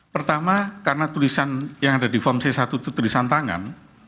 pertama karena tulisan yang ada di form c satu itu tulisan tangan